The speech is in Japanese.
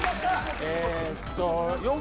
えーっと。